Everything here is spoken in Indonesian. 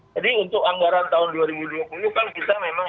jadi untuk anggaran tahun dua ribu dua puluh kan kita memang